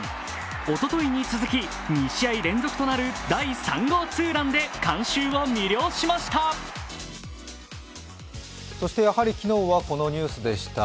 おとといに続き、２試合連続となる第３号ツーランで観衆を魅了しました。